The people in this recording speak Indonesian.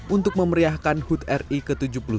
untuk memeriahkan hut ri ke tujuh puluh tujuh